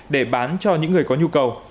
để bán cho những người có nhu cầu